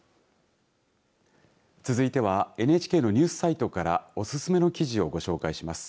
続いてはＮＨＫのニュースサイトからおすすめの記事をご紹介します。